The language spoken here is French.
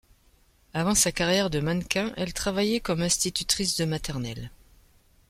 Avant sa carrière de mannequin, elle travaillait comme institutrice de maternelle.